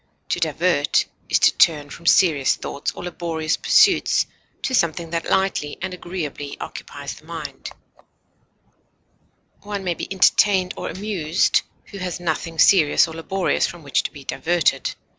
To divert is to turn from serious thoughts or laborious pursuits to something that lightly and agreeably occupies the mind; one may be entertained or amused who has nothing serious or laborious from which to be diverted.